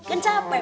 kan capek pasti ya